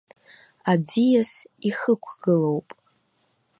Аӡиас ихықәгылоуп.